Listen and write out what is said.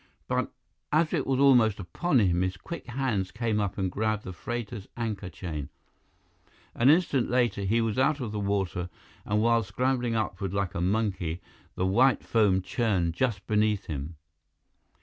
But as it was almost upon him, his quick hands came up and grabbed the freighter's anchor chain. An instant later, he was out of the water and while scrambling upward like a monkey the white foam churned just beneath him.